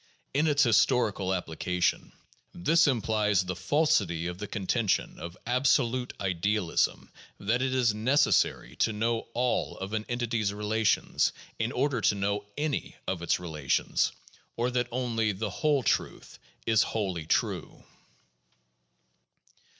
In its historical applications, this implies the falsity of the con tention of absolute idealism that it is necessary to know all of an entity's relations in order to know any of its relations, or that only the whole truth is wholly true.